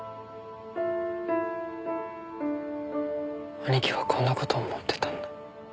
兄貴はこんな事を思ってたんだ。